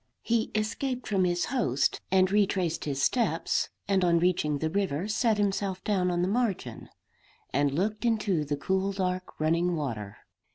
He escaped from his host, and retraced his steps, and on reaching the river sat himself down on the margin, and looked into the cool dark running water.